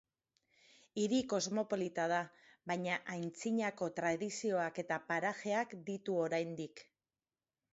Hiri kosmopolita da, baina antzinako tradizioak eta parajeak ditu oraindik.